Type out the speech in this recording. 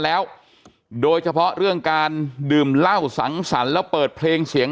แล้วโดยเฉพาะเรื่องการดื่มเหล้าสังสรรค์แล้วเปิดเพลงเสียง